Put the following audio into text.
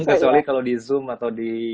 kecuali kalau di zoom atau di